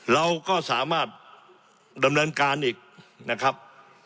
เราก็สามารถดำเนินการอีกนะครับ